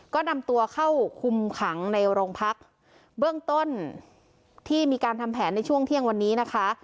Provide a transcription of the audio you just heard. ก็นำตัวเข้าคุมขังในโรงพักเบื้องต้นที่มีการทำแผนในช่วงเที่ยงวันนี้นะคะ